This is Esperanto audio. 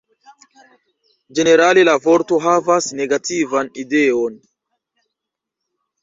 Ĝenerale la vorto havas negativan ideon.